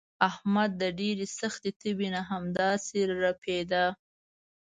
احمد د ډېرې سختې تبې نه همداسې ړپېدا.